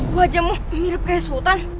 wajahmu mirip kayak sultan